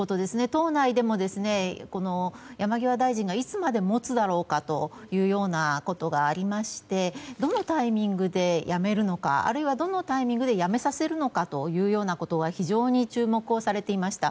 党内でも、山際大臣がいつまでもつだろうかというようなことがありましてどのタイミングで辞めるのかあるいは、どのタイミングで辞めさせるのかということが非常に注目をされていました。